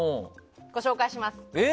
ご紹介します。